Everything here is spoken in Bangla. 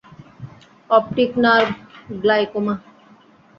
Optic nerve glaucoma.